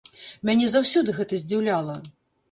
Мяне заўсёды гэта здзіўляла.